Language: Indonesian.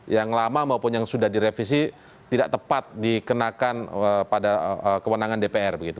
yang lama maupun yang sudah direvisi tidak tepat dikenakan pada kewenangan dpr begitu